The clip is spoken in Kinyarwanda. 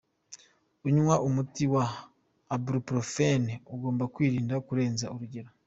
Unywa umuti wa Ibuprofene agomba kwirinda kurenza urugero.